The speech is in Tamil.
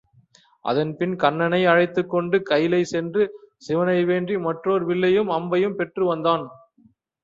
அதன்பின் கண்ணனை அழைத்துக் கொண்டு கயிலை சென்று சிவனை வேண்டி மற்றோர் வில்லையும் அம்பையும் பெற்று வந்தான்.